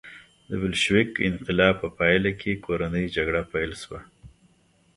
د بلشویک انقلاب په پایله کې کورنۍ جګړه پیل شوه